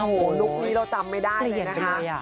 โอ้โหลุคนี้เราจำไม่ได้เลยนะคะ